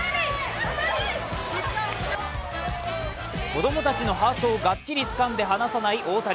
子供たちのハートをがっちりつかんで離さない大谷。